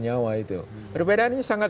nyawa itu perbedaannya sangat